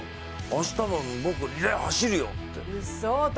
明日も僕、リレー走るよって。